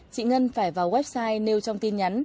chị ngân phải vào website nêu trong tin nhắn